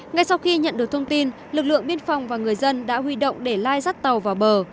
ngay sau khi nhận được thông tin lực lượng biên phòng và người dân đã huy động để lai dắt tàu vào bờ